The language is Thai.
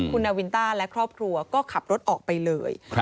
คุณนาวินต้าและครอบครัวก็ขับรถออกไปเลย